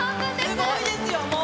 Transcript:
すごいですよ、もう。